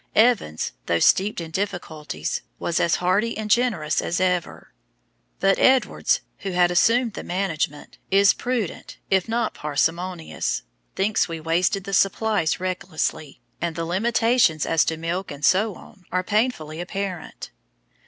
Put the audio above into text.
Evans, though steeped in difficulties, was as hearty and generous as ever; but Edwards, who had assumed the management, is prudent, if not parsimonious, thinks we wasted the supplies recklessly, and the limitations as to milk, etc., are painfully apparent.